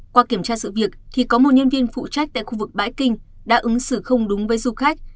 qua kiểm tra sự việc thì có một nhân viên phụ trách tại khu vực bãi kinh đã ứng xử không đúng với du khách